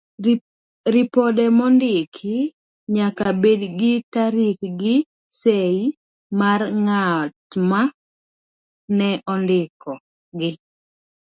Ripode maondiki, nyaka bed gi tarik gi sei mar ng'atma ne ondikogi.